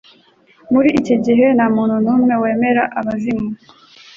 Muri iki gihe nta muntu n'umwe wemera abazimu